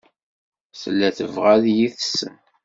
Tella tebɣa ad iyi-tessen.